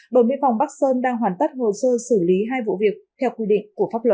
đồn biên phòng bắc sơn đang hoàn tất hồ sơ xử lý hai vụ việc theo quy định của pháp luật